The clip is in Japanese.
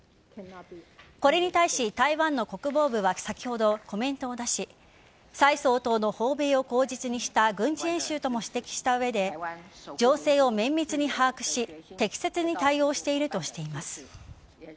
これに対し台湾の国防部は先ほどコメントを出し蔡総統の訪米を口実にした軍事演習とも指摘した上で情勢を綿密に把握し適切に対応しているとしています。